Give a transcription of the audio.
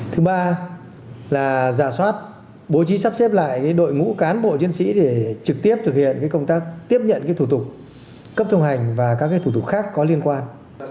thứ ba là giả soát bố trí sắp xếp lại đội ngũ cán bộ chiến sĩ để trực tiếp thực hiện công tác tiếp nhận thủ tục cấp thông hành và các thủ tục khác có liên quan